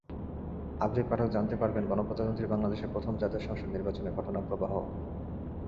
আগ্রহী পাঠক জানতে পারবেন গণপ্রজাতন্ত্রী বাংলাদেশের প্রথম জাতীয় সংসদ নির্বাচনের ঘটনাপ্রবাহও।